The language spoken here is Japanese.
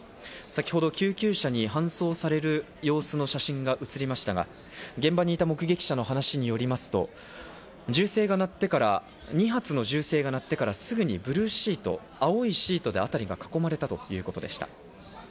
先ほど救急車に搬送される様子の写真が映りましたが現場にいた目撃者の話によりますと、２発の銃声が鳴ってからすぐにブルーシート、青いシートで辺りが囲まれたということでした。